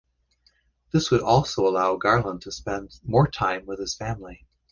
This would also allow Garland to spend more time with his family.